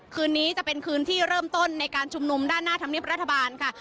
คืนนี้จะเป็นคืนที่เริ่มต้นในการชุมนุมด้านหน้าธรรมเนียบรัฐบาลค่ะ